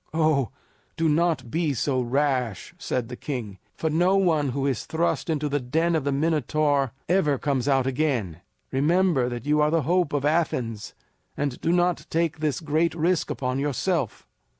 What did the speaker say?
"Oh, do not be so rash!" said the king; "for no one who is thrust into the den of the Minotaur ever comes out again. Remember that you are the hope of Athens, and do not take this great risk upon yourself."